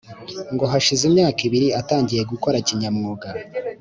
Ngo hashize imyaka ibiri atangiye gukora kinyamwuga